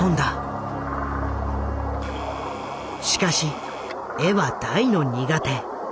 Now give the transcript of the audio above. しかし絵は大の苦手。